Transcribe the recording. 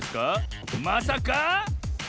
まさか？